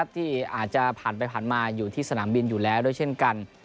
ที่อาจจะผ่านไปผ่านมาอยู่ที่สนามบินอยู่แล้วด้วยเช่นกัน